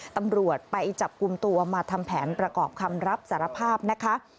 ตำรวจไปจับกลุ่มตัวมาทำแผนประกอบคำรับสารภาพนะคะ